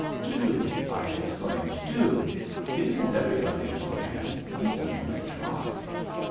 " Do !" I exclaimed. " Do. It isn't everybody who can, even when they try."